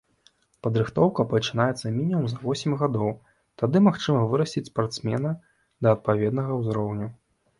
Падрыхтоўка пачынаецца мінімум за восем гадоў, тады магчыма вырасціць спартсмена да адпаведнага ўзроўню.